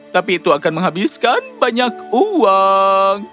tapi itu akan menghabiskan banyak uang